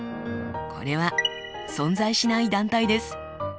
これは存在しない団体です。